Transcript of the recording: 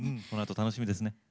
このあと楽しみですね。